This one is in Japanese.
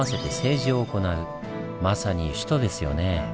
まさに首都ですよね。